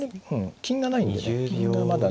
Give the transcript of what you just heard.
金がないんでね。